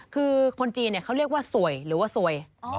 คือคนจีนเขาเรียกว่าสวยหรือว่าสวย